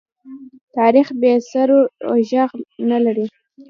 تاریخ بې سرو ږغ نه لري.